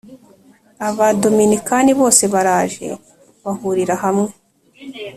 abaDominikani bose baraje bahurira hamwe